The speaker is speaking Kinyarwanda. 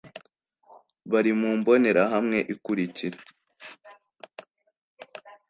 bari mu mbonerahamwe ikurikira